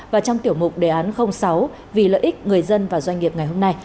và trong tiểu mục đề án sáu vì lợi ích người dân và doanh nghiệp ngày hôm nay